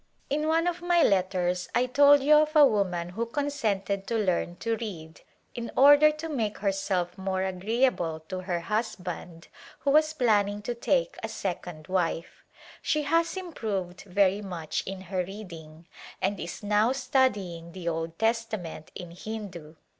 In one of my letters I told you of a woman who consented to learn to read in order to make herself A Glimpse of India more agreeable to her husband who was planning to take a second wife. She has improved very much in her reading and is now studying the Old Testament in Hindu.